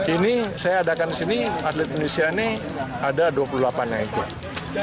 ini saya adakan di sini atlet indonesia ini ada dua puluh delapan yang ikut